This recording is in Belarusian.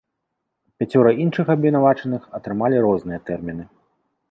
Пяцёра іншых абвінавачаных атрымалі розныя тэрміны.